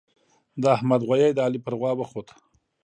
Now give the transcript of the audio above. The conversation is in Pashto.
د احمد غويی د علي پر غوا وخوت.